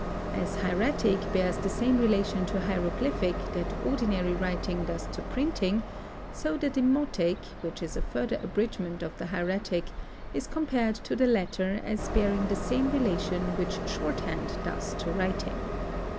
As hieratic bears the same relation to hieroglyphic that ordinary writing does to printing, so the demotic, which is a further abridgment of the hieratic, is compared to the latter as bearing the same relation which short hand does to writing.